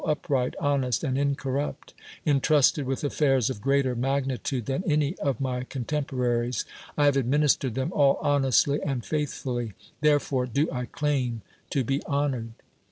upright, honest, and incorrupt; entrusted with al'fairs of grejitcr magtntud(> than any of my (•(jntemporarics. 1 have administered them all honestly and faithfully. Therefore do I claim to be honored.